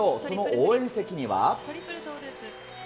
その応援席には。